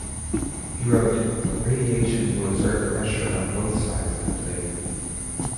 He wrote, radiation will exert pressure on both sides of the plate.